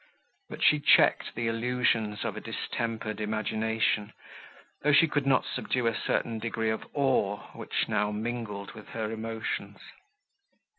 But she checked the illusions of a distempered imagination, though she could not subdue a certain degree of awe, which now mingled with her emotions.